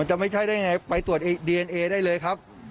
จะไม่ใช่ได้ไงไปตรวจดีเอนเอได้เลยครับ